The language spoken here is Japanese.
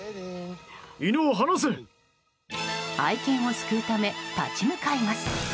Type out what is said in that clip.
愛犬を救うために立ち向かいます。